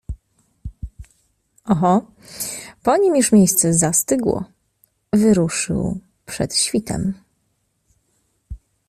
Oho, po nim już miejsce zastygło, wyruszył przed świtem.